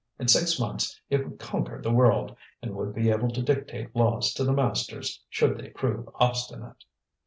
In six months it would conquer the world, and would be able to dictate laws to the masters should they prove obstinate.